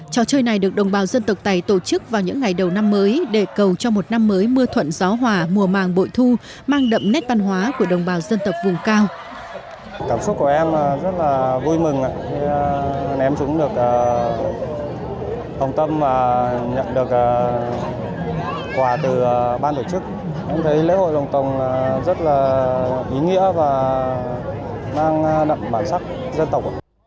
trò chơi này được đồng bào dân tộc tây tổ chức vào những ngày đầu năm mới để cầu cho một năm mới mưa thuận gió hòa mùa màng bội thu mang đậm nét văn hóa của đồng bào dân tộc vùng cao